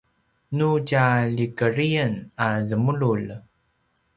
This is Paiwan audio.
nu tja ljekedriyen a zemululj